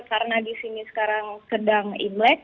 karena di sini sekarang sedang e black